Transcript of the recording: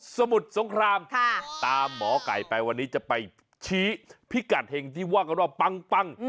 สมุทรสงครามตามหมอไก่ไปวันนี้จะไปชี้พิกัดเห็งที่ว่ากันว่าปัง